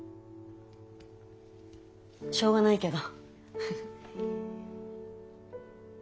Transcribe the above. しょうがないけど。